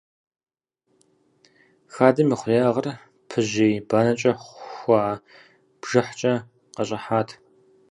Хадэм и хъуреягъыр пыжьей банэкӏэ хуа бжыхькӏэ къащӏыхьащ.